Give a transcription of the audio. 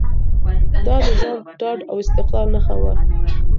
دا د ځان ډاډ او استقلال نښه وه.